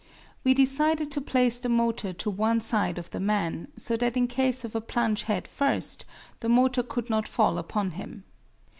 We decided to place the motor to one side of the man, so that in case of a plunge headfirst, the motor could not fall upon him.